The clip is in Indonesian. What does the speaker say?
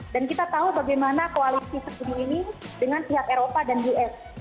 dan kita tahu bagaimana koalisi seperti ini dengan pihak eropa dan us